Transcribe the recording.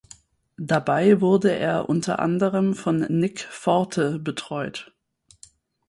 Dabei wurde er unter anderem von Nick Forte betreut.